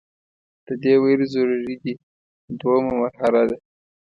د دې ویل ضروري دي دوهمه مرحله ده.